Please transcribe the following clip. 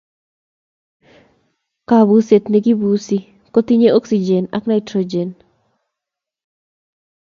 Kapuset ne kipusi ko tinyei oksijen ak naitrojen